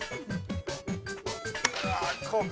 うわこうか？